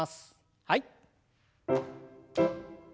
はい。